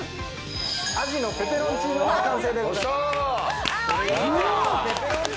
アジのペペロンチーノの完成です。